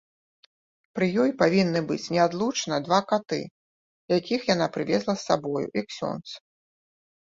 Пры ёй павінны быць неадлучна два каты, якіх яна прывезла з сабою, і ксёндз.